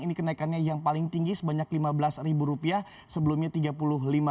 ini kenaikannya yang paling tinggi sebanyak lima belas rupiah sebelumnya tiga puluh lima rupiah